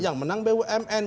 yang menang bumn